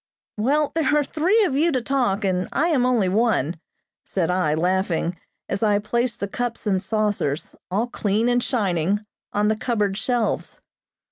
"Well, there are three of you to talk, and I am only one," said I, laughing, as I placed the cups and saucers, all clean and shining, on the cupboard shelves.